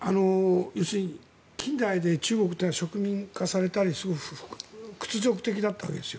要するに近代で中国というのは植民化されたり屈辱的だったわけです。